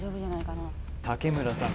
竹村さん